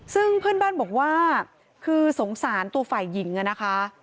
ซึ่งเพื่อนบ้านบอกว่าคือสงสารตัวฝ่ายหญิงอะนะคะ